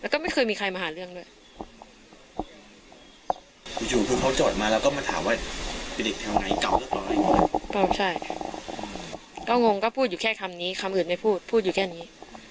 ก็งงก็พูดอยู่แค่คำนี้คำอื่นไม่พูดพูดอยู่แค่นี้